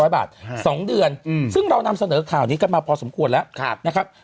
๐บาท๒เดือนซึ่งเรานำเสนอข่าวนี้กันมาพอสมควรแล้วนะครับ